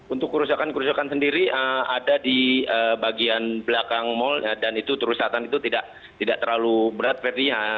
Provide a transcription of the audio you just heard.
untuk kerusakan kerusakan sendiri ada di bagian belakang mal dan itu kerusakan itu tidak terlalu berat ferdian